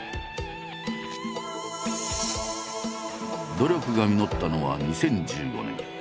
努力が実ったのは２０１５年。